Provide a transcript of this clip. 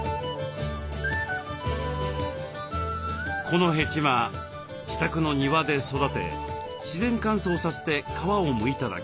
このヘチマ自宅の庭で育て自然乾燥させて皮をむいただけ。